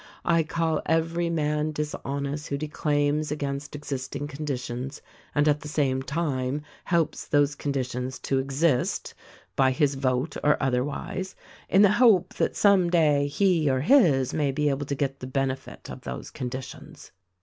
I call every man dishonest who declaims against existing conditions and at the same time helps those conditions to exist (by his vote or otherwise) in the hope that some day he or his may be able to get the benefit of those conditions.